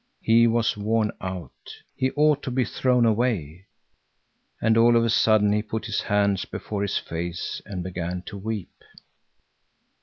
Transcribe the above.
He was worn .out. He ought to be thrown away. And all of a sudden he put his hands before his face and began to weep.